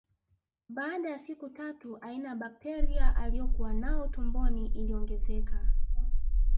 Baada ya siku tatu aina ya bakteria aliokuwa nao tumboni iliongezeka